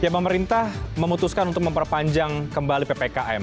pemerintah memutuskan untuk memperpanjang kembali ppkm